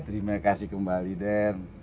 terima kasih kembali den